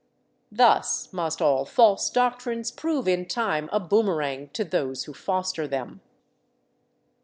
Thus must air false doctrines prove in time a boomerang to those who foster them.